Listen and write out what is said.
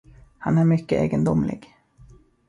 Han är mycket egendomlig.